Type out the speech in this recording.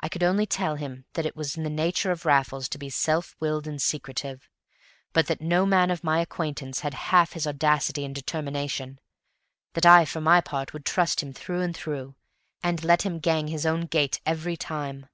I could only tell him that it was in the nature of Raffles to be self willed and secretive, but that no man of my acquaintance had half his audacity and determination; that I for my part would trust him through and through, and let him gang his own gait every time.